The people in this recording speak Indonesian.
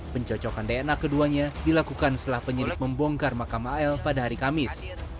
pencocokan dna keduanya dilakukan setelah penyidik membongkar makam al pada hari kamis